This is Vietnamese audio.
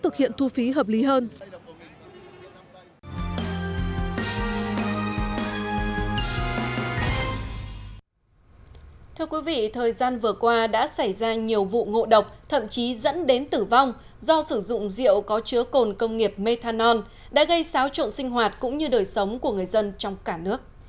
kiểm soát bộ độc thậm chí dẫn đến tử vong do sử dụng rượu có chứa cồn công nghiệp methanol đã gây xáo trộn sinh hoạt cũng như đời sống của người dân trong cả nước